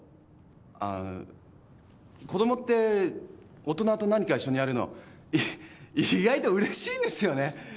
あぁ子供って大人と何か一緒にやるのい意外とうれしいんですよね。